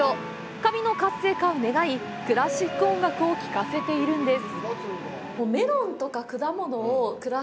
かびの活性化を願いクラシック音楽を聴かせているんです。